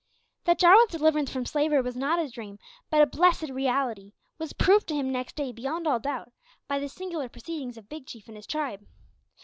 That Jarwin's deliverance from slavery was not a dream, but a blessed reality, was proved to him next day beyond all doubt by the singular proceedings of Big Chief and his tribe.